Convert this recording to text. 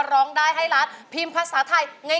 ร้องได้ให้ล้านพิมพ์ภาษาไทย